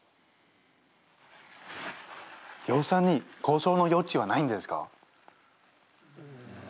予算に交渉の余地はないんですか？